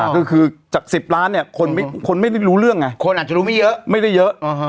ก็คือจาก๑๐ล้านเนี่ยคนไม่รู้เรื่องไงคนอาจจะรู้ไม่เยอะไม่ได้เยอะ